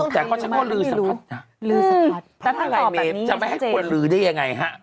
แต่ก็จะก็ลืมสัมพันธ์แต่ถ้าอะไรเมฆจะไปให้คนลืมได้ยังไงฮะ